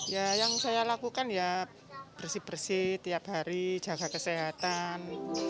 ya yang saya lakukan ya bersih bersih tiap hari jaga kesehatan